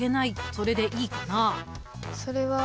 それでいいかな？